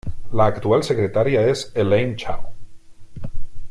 La actual secretaria es Elaine Chao.